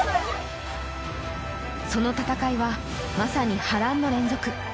その戦いは、まさに波乱の連続。